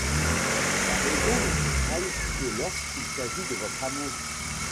Sa raison ne défaille que lorsqu’il s’agit de votre amour.